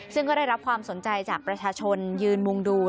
ซึ่งก็ได้รับความสนใจจากประชาชนยืนมุงดู